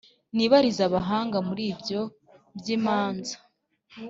nibarize abahanga muri ibyo by’imanza